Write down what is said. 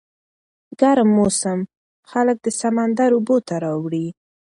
ګرم موسم خلک د سمندر اوبو ته راوړي.